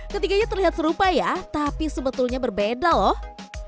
ketiganya terlihat serupa ya tapi sebetulnya berbeda loh